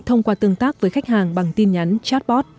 thông qua tương tác với khách hàng bằng tin nhắn chatbot